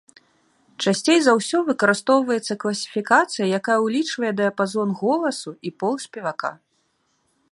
Часцей за ўсё выкарыстоўваецца класіфікацыя, якая ўлічвае дыяпазон голасу і пол спевака.